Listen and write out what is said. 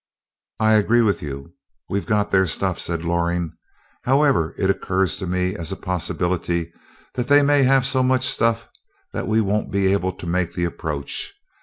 "I agree with you, that we've got their stuff," said Loring. "However, it occurs to me as a possibility that they may have so much stuff that we won't be able to make the approach.